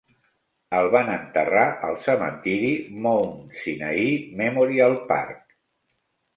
El van enterrar al cementiri Mount Sinai Memorial Park.